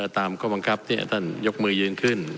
ตามข้อบังคับที่ท่านยกมือยืนขึ้น